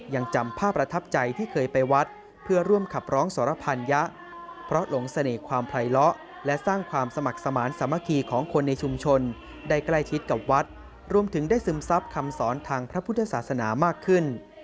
ยังจำภาพประทับใจที่เคยไปวัดเพื่อร่วมขับร้องสรพันยะเพราะหลงเสน่ห์ความไพรล้อและสร้างความสมัครสมาธิสามัคคีของคนในชุมชนได้ใกล้ชิดกับวัดรวมถึงได้ซึมซับคำสอนทางพระพุทธศาสนามากขึ้น